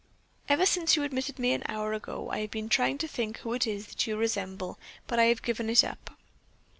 Ever since you admitted me an hour ago I have been trying to think who it is that you resemble, but I have given it up."